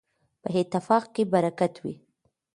په اتفاق کي برکت وي.